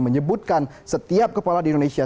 menyebutkan setiap kepala di indonesia